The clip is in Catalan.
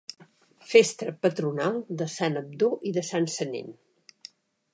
Festa patronal de Sant Abdó i Sant Senén.